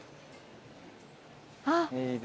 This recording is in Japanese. あっ！